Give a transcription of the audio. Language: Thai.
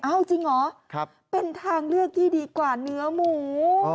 เอาจริงเหรอเป็นทางเลือกที่ดีกว่าเนื้อหมู